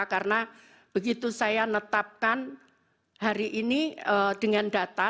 karena begitu saya menetapkan hari ini dengan data